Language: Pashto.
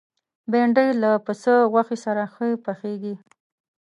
بېنډۍ له پسه غوښې سره ښه پخېږي